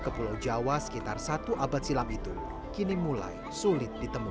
ke pulau jawa sekitar satu abad silam itu kini mulai sulit ditemui